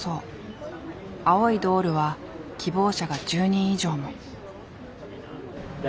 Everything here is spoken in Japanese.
青いドールは希望者が１０人以上も。